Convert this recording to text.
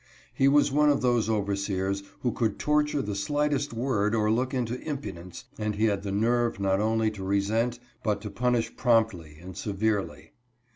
He was one of those overseers who could torture the slightest word or look into impudence, and he had the nerve not only to resent, but to punish promptly and severely.